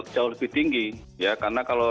jauh lebih tinggi ya karena kalau